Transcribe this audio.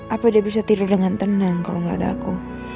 apa dia bisa tidur dengan tenang kalau nggak ada aku